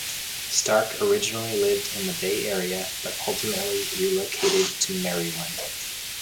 Stark originally lived in the Bay Area, but ultimately relocated to Maryland.